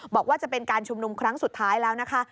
บอกว่าจะเป็นการชุมนุมครั้งสุดท้ายแล้วนะคะ